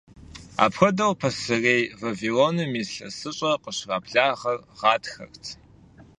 Апхуэдэу, Пасэрей Вавилоным ИлъэсыщӀэр къыщрагъэблагъэр гъатхэрт.